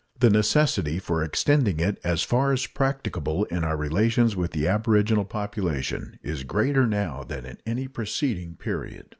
The necessity for extending it as far as practicable in our relations with the aboriginal population is greater now than at any preceding period.